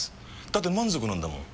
だって満足なんだもん。